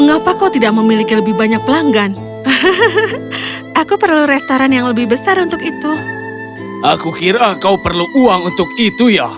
aku kira kau perlu uang untuk itu ya